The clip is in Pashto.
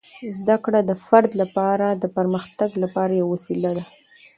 زده کړه د فرد لپاره د پرمختګ لپاره یوه وسیله ده.